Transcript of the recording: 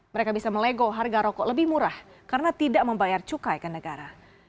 mereka bisa melego harga rokok lebih murah karena tidak membayar cukai ke negara